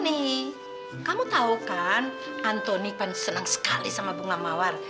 nih kamu tahu kan antoni kan senang sekali sama bunga mawar